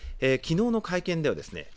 きのうの会見ではですね